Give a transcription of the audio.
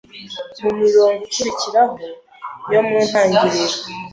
Mu mirongo ikurikiraho yo mu Itangiriro,